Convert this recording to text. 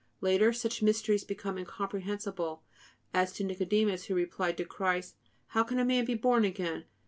Later, such mysteries become incomprehensible; as to Nicodemus, who replied to Christ: "How can a man be born again?